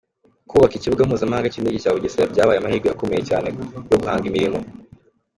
Kubaka Ikibuga Mpuzamahanga cy’Indege cya Bugesera byabaye amahirwe akomeye cyane yo guhanga imirimo.